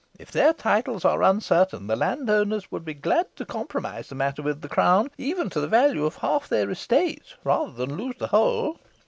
If their titles are uncertain, the landholders would be glad to compromise the matter with the crown, even to the value of half their estates rather than lose the whole."